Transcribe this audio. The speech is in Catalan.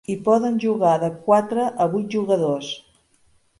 Hi poden jugar de quatre a vuit jugadors.